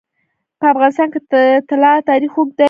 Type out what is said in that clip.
په افغانستان کې د طلا تاریخ اوږد دی.